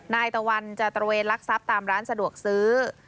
นายตะวัลจะตรวจลักษัตริย์ตามร้านสะดวกซื้อ